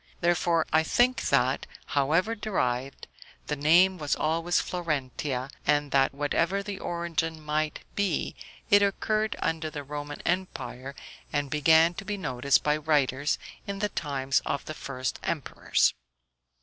Therefore I think that, however derived, the name was always Florentia, and that whatever the origin might be, it occurred under the Roman empire, and began to be noticed by writers in the times of the first emperors.